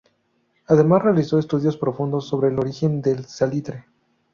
Además realizó estudios profundos sobre el origen del salitre.